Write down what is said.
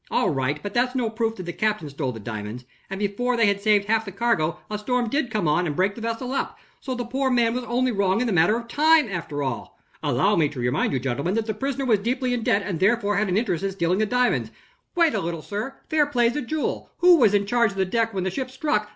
"All right, but that's no proof that the captain stole the diamonds; and, before they had saved half the cargo, a storm did come on and break the vessel up; so the poor man was only wrong in the matter of time, after all." "Allow me to remind you, gentlemen that the prisoner was deeply in debt, and therefore had an interest in stealing the diamonds." "Wait a little, sir. Fair play's a jewel. Who was in charge of the deck when the ship struck?